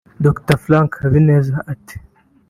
Dr Frank Habineza ati